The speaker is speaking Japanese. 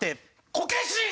こけし！